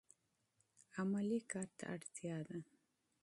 عملي کار ته اړتیا ده.